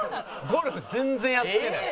ゴルフ全然やってない。